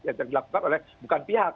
yang dilakukan oleh bukan pihak